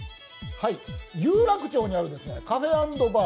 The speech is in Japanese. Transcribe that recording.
有楽町にあるカフェ＆バー